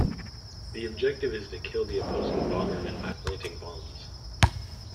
The objective is to kill the opposing Bomberman by planting bombs.